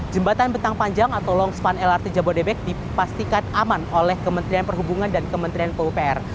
jembatan bentang panjang atau longspan lrt jabodebek dipastikan aman oleh kementerian perhubungan dan kementerian pupr